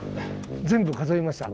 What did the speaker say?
全部数えました！